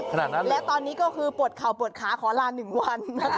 ขนาดนั้นเลยแล้วตอนนี้ก็คือปวดเข่าปวดขาขอลา๑วัน